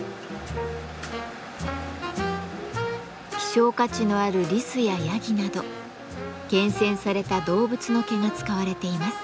希少価値のあるリスやヤギなど厳選された動物の毛が使われています。